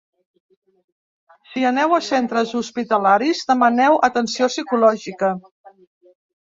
Si aneu a centres hospitalaris demaneu atenció psicològica.